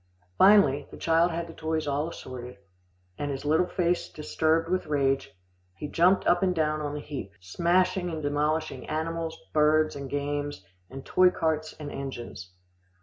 Finally, the child had the toys all assorted, and with his little face disturbed with rage, he jumped up and down on the heap, smashing and demolishing animals, birds and games, and toy carts and engines.